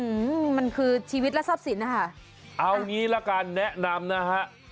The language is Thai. อืมมันคือชีวิตและทรัพย์สินนะคะเอางี้ละกันแนะนำนะฮะ